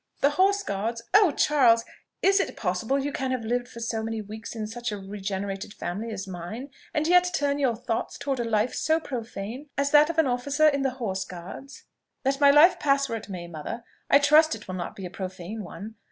The Horse Guards! Oh! Charles! is it possible you can have lived for many weeks in such a regenerated family as mine, and yet turn your thoughts towards a life so profane as that of an officer in the Horse Guards?" "Let my life pass where it may, mother, I trust it will not be a profane one.